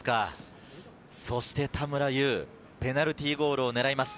そして田村優はペナルティーゴールを狙います。